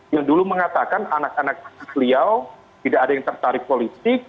yang dulu mengatakan anak anak beliau tidak ada yang tertarik politik